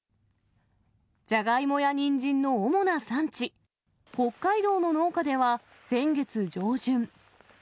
ジャガイモやニンジンの主な産地、北海道の農家では、先月上旬。